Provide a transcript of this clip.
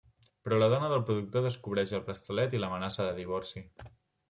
Però la dona del productor descobreix el braçalet i l'amenaça de divorci.